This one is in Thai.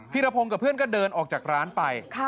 รพงศ์กับเพื่อนก็เดินออกจากร้านไป